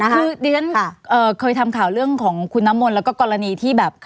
คือดิฉันเคยทำข่าวเรื่องของคุณน้ำมนต์แล้วก็กรณีที่แบบ